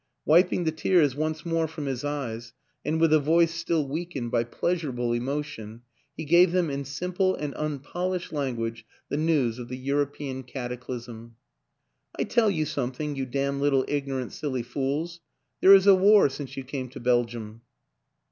Wiping the tears once more from his eyes, and with a voice still weakened by pleasurable emotion, he gave them in simple and unpolished language the news of the European cataclysm. " I tell you something, you damn little ignorant silly fools. There is a war since you came to Belgium."